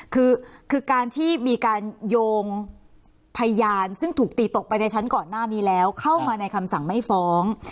คือคือการที่มีการโยงพยานซึ่งถูกตีตกไปในชั้นก่อนหน้านี้แล้วเข้ามาในคำสั่งไม่ฟ้อง